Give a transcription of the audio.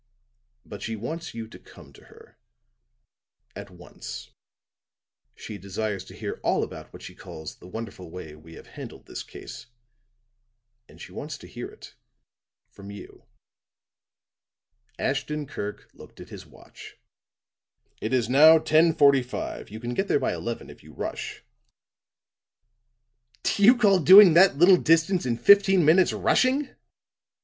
But she wants you to come to her at once. She desires to hear all about what she calls the wonderful way we have handled this case, and she wants to hear it from you." Ashton Kirk looked at his watch. "It is now 10:45. You can get there by eleven if you rush." "Do you call doing that little distance in fifteen minutes rushing?"